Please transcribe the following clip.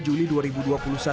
namun hal itu tidak berhasil